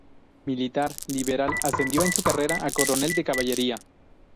Militar liberal, ascendió en su carrera a coronel de Caballería.